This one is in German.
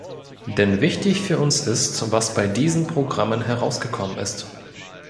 Denn wichtig für uns ist, was bei diesen Programmen herausgekommen ist.